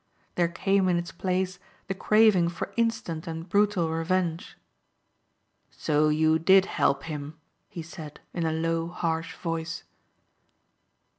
There came in its place the craving for instant and brutal revenge. "So you did help him?" he said in a low harsh voice.